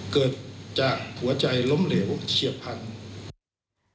เกิดจากหัวใจล้มเหลวเฉียบพันธุ์